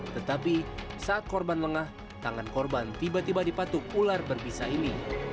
tetapi saat korban lengah tangan korban tiba tiba dipatuk ular berbisa ini